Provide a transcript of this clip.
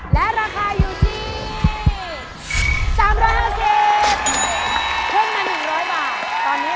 แพงกว่าแพงกว่าแพงกว่าแพงกว่าแพงกว่า